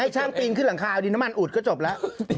ช่างปีนขึ้นหลังคาเอาดินน้ำมันอุดก็จบแล้ว